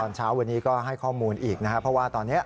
ตอนเช้าวันนี้ก็ให้ข้อมูลอีกเพราะว่าตอนนี้